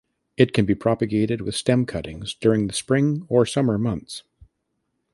It can be propagated with stem cuttings during the spring or summer months.